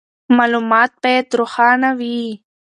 معلومات باید روښانه وي.